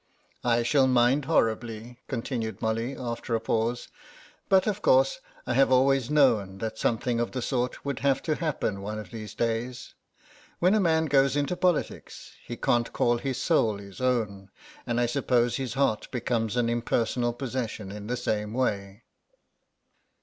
"I shall mind horribly," continued Molly, after a pause, "but, of course, I have always known that something of the sort would have to happen one of these days. When a man goes into politics he can't call his soul his own, and I suppose his heart becomes an impersonal possession in the same way."